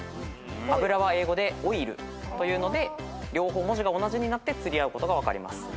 油は英語でＯＩＬというので両方文字が同じになって釣り合うことが分かります。